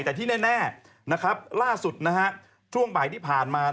แต่ที่แน่ล่าสุดช่วงป่ายที่ผ่านมา